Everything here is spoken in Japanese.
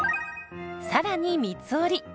さらに三つ折り。